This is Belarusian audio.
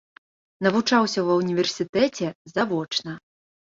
Навучаўся ва ўніверсітэце завочна.